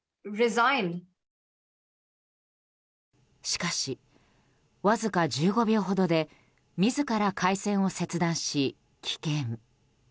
しかし、わずか１５秒ほどで自ら回線を切断し棄権。